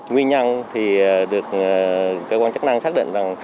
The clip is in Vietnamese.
nguyên nhân được cơ quan chức năng xác định là